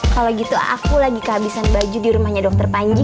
kalau gitu aku lagi kehabisan baju di rumahnya dokter panji